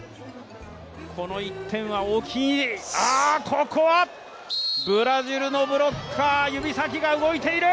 この１点は大きい、ここはブラジルのブロッカー、指先が動いている！